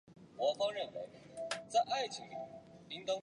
米沃斯瓦夫是波兰的一座城市。